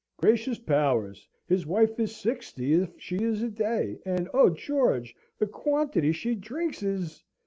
Gracious powers! his wife is sixty if she is a day; and oh, George! the quantity she drinks is..."